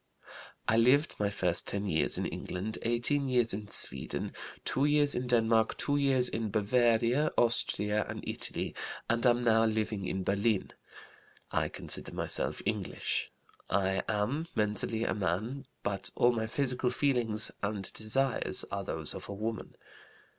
"I lived my first ten years in England, eighteen years in Sweden, two years in Denmark, two years in Bavaria, Austria, and Italy, and am now living in Berlin. I consider myself English. I am mentally a man, but all my physical feelings and desires are those of a woman.